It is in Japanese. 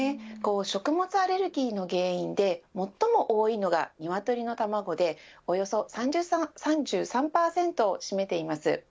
食物アレルギーの原因で最も多いのが鶏の卵でおよそ３３％を占めています。